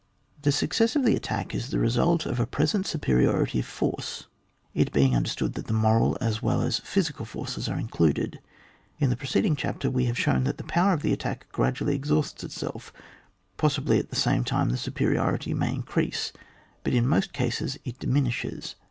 The success of the attack is the result of a present superiority of force, it being understood that the moral as well as physical forces are included. In the pre ceding chapter we have shown that the power of the attack gradually exhausts itself; possibly at the same time the supe riority may increase, but in most cases it diminishes.